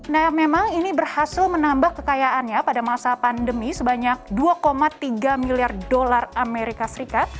nah memang ini berhasil menambah kekayaannya pada masa pandemi sebanyak dua tiga miliar dolar amerika serikat